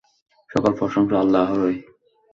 সকল প্রশংসা আল্লাহরই।